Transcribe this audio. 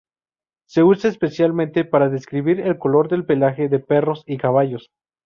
Se usa especialmente para describir el color del pelaje de perros y caballos.